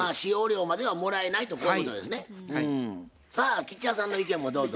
さあ吉弥さんの意見もどうぞ。